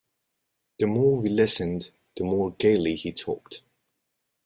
The more we listened, the more gaily he talked.